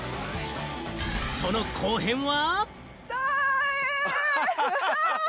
その後編は。